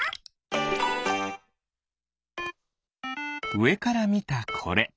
うえからみたこれ。